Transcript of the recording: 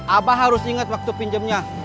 abah harus ingat waktu pinjamnya